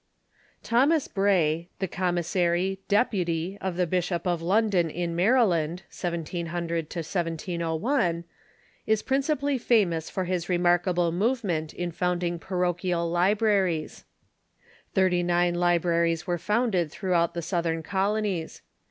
Thomas Bray, the commissary (deputy) of the Bishop of London in Maryland (1700 1) is principally famous for his remarkable movement in founding parochial libraries.* Thirty nine libraries were founded throughout the South ern Colonies.